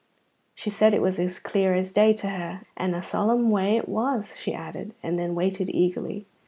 She said it was as clear as day to her. "And a solemn way it was," she added, and then waited eagerly.